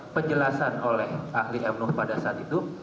penjelasan oleh ahli mnuh pada saat itu